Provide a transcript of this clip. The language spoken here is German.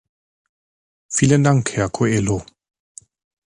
Vielen Dank, Herr Coelho.